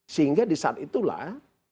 sehingga di saat itulah